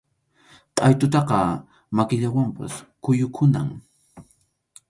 Qʼaytutaqa makillawanpas kʼuyukunam.